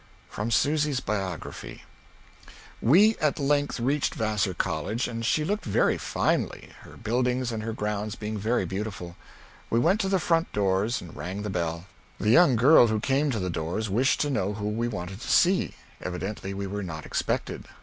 From Susy's Biography. We at length reached Vassar College and she looked very finely, her buildings and her grounds being very beautiful. We went to the front doore and range the bell. The young girl who came to the doore wished to know who we wanted to see. Evidently we were not expected.